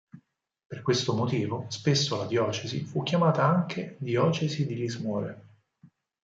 Per questo motivo spesso la diocesi fu chiamata anche diocesi di Lismore.